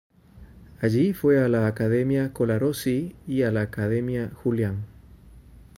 Allí fue a la Academia Colarossi y a la Academia Julian.